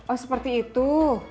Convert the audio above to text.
oh seperti itu